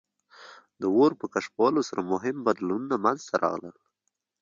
د اور په کشفولو سره مهم بدلونونه منځ ته راغلل.